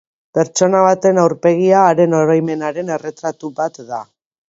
Pertsona baten aurpegia haren oroimenaren erretratu bat da.